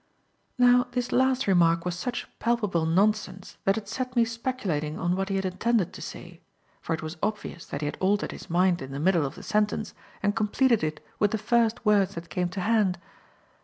Now, this last remark was such palpable nonsense that it set me speculating on what he had intended to say, for it was obvious that he had altered his mind in the middle of the sentence and completed it with the first words that came to hand.